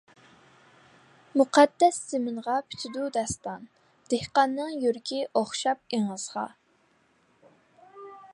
مۇقەددەس زېمىنغا پۈتىدۇ داستان، دېھقاننىڭ يۈرىكى ئوخشاپ ئېڭىزغا.